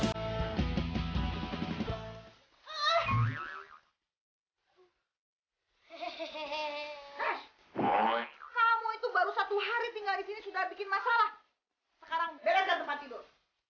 kamu itu baru satu hari tinggal di sini sudah bikin masalah sekarang bereskan tempat tidur